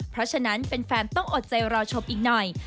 เพราะฉะนั้นแฟนต้องอดใจรอชมอีกหน่อย